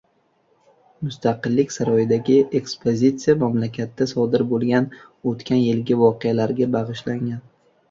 Mustaqillik saroyidagi akspozitsiya mamlakatda sodir bo‘lgan “o‘tgan yilgi voqealarga” bag‘ishlangan